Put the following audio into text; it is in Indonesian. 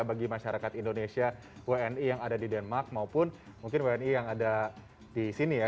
bagi masyarakat indonesia wni yang ada di denmark maupun mungkin wni yang ada di sini ya